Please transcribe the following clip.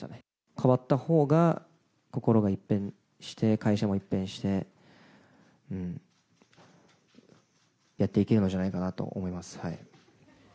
変わったほうが、心が一変して、会社も一変して、やっていけるのじゃないかなと思います。